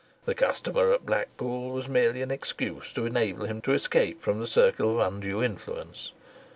The customer at Blackpool was merely an excuse to enable him to escape from the circle of undue influence.